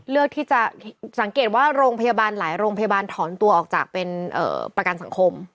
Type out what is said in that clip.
เลือกที่จะสังเกตว่าโรงพยาบาลหลายโรงพยาบาลถอนตัวออกจากเป็นประกันสังคม